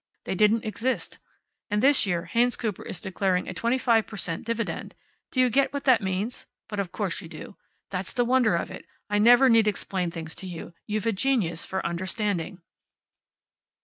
They didn't exist. And this year Haynes Cooper is declaring a twenty five per cent dividend. Do you get what that means? But of course you do. That's the wonder of it. I never need explain things to you. You've a genius for understanding."